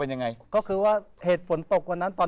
อันนี้เหรอฮะ